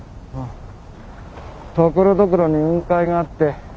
ところどころに雲海があって。